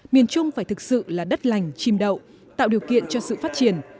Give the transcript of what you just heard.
miền trung phải thực sự là đất lành chim đậu tạo điều kiện cho sự phát triển